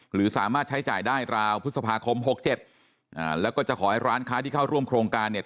หรือสามารถใช้จ่ายได้ราวพฤษภาคมหกเจ็ดอ่าแล้วก็จะขอให้ร้านค้าที่เข้าร่วมโครงการเนี่ย